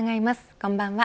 こんばんは。